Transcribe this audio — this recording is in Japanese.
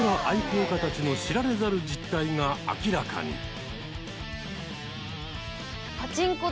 愛好家たちの知られざる実態が明らかに。